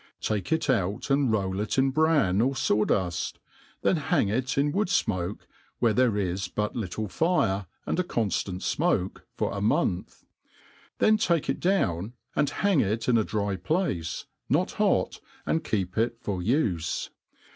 Take it out and roll it in bran or faw duft, then hang it itt wood*fmoke, where there is but little fire, and a conftanc fmoke, for a month ; then take it down, and hang it in a dry* place, not hot, and keep it for ufe.